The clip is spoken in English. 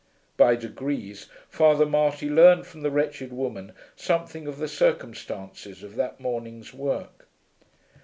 By degrees Father Marty learned from the wretched woman something of the circumstances of that morning's work.